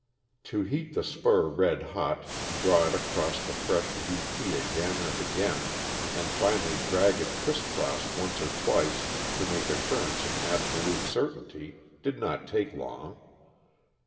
To heat the spur red hot, draw it across the fresh VP again and again, and finally drag it crisscross once or twice to make assurance an absolute certainty, did not take long.